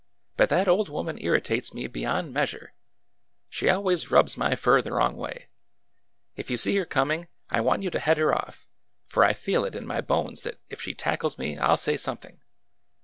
But that old woman ir ritates me beyond measure ! She always rubs my fur the wrong way ! If you see her coming, I want you to head her off, for I feel it in my bones that if she tackles me I 'll say something